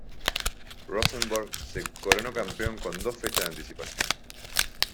Rosenborg se coronó campeón con dos fechas de anticipación.